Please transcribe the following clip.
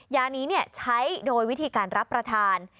ยานี้ใช้โดยวิธีการรับประทาน